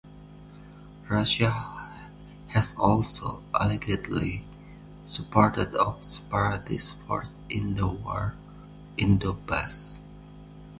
Russia has also allegedly supported of separatist forces in the War in Donbass.